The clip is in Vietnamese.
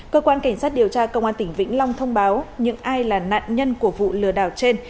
cơ quan cảnh sát điều tra công an tỉnh vĩnh long thông báo những ai là nạn nhân của vụ lừa đảo trên